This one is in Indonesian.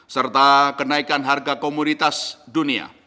serta kenaikan harga komoditas dunia